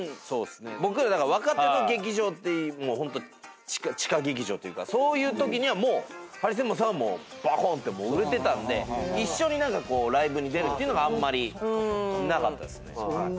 僕ら若手の劇場ってもうホント地下劇場というかそういうときにはハリセンボンさんはもうバコーン！って売れてたんで一緒にライブに出るっていうのがあんまりなかったですね。